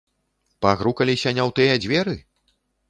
Пагрукаліся не ў тыя дзверы?